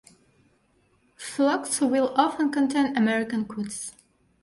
Flocks will often contain American coots.